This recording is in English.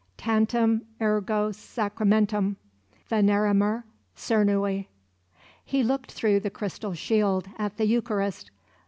"Tantum ergo Sacramentum, Veneremur cernui." He looked through the crystal shield at the Eucharist.